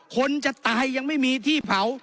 คนจะตายยังไม่มีที่เผา